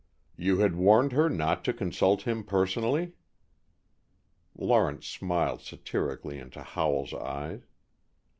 "You had warned her not to consult him personally?" Lawrence smiled satirically into Howell's eyes.